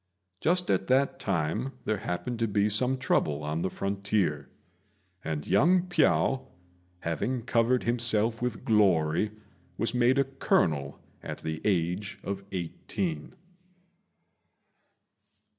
Just at that time there happened to be some trouble on the frontier, and young Piao, having covered himself with glory, was made a colonel at the age of eighteen.